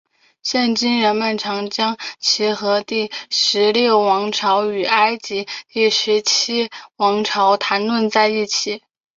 现今人们常将其和第十六王朝与埃及第十七王朝谈论在一起。